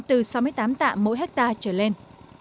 sáu mươi tám tạ mỗi hectare trở lên